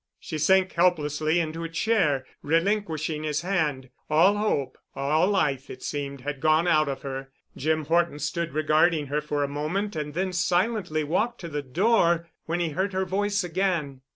She sank helplessly into a chair, relinquishing his hand. All hope, all life, it seemed, had gone out of her. Jim Horton stood regarding her for a moment and then silently walked to the door, when he heard her voice again.